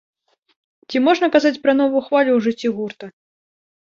Ці можна казаць пра новую хвалю ў жыцці гурта?